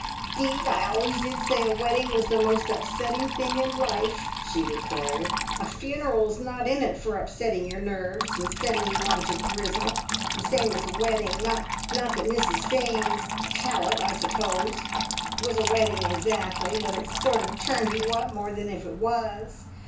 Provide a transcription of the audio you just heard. "'Deed, I always did say a wedding was the most upsetting thing in life!" she declared. "A funeral's not in it for upsetting your nerves, and setting you on to grizzle, the same as a wedding. Not that Mrs Fane's Hallett, I suppose was a wedding exactly, but it sort of churned you up more than if it was.